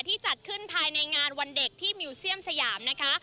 จัดขึ้นภายในงานวันเด็กที่มิวเซียมสยามนะคะ